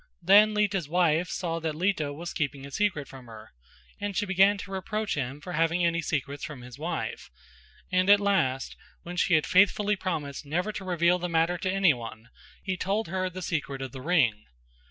Then Lita's wife saw that Lita was keeping a secret from her, and she began to reproach him for having any secrets from his wife: and at last when she had faithfully promised never to reveal the matter to anyone, he told her the secret of the ring.